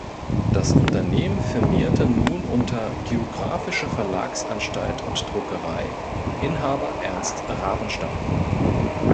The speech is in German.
Das Unternehmen firmierte nun unter "Geographische Verlagsanstalt und Druckerei, Inhaber Ernst Ravenstein".